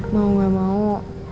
mau gak mau